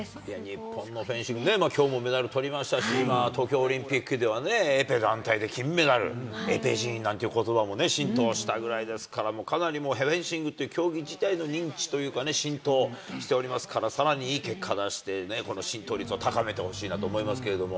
日本のフェンシングね、きょうもメダルとりましたし、東京オリンピックではね、エペ団体で金メダル。エペジーンなんてことばもね、浸透したぐらいですから、かなりもう、フェンシングっていう競技自体の認知というかね、浸透しておりますから、さらにいい結果出してね、この浸透率を高めてほしいなと思いますけどね。